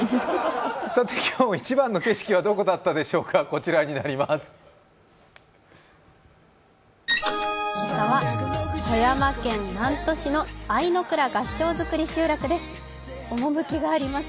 今日の一番の景色はどちらだったでしょうか、こちらになります。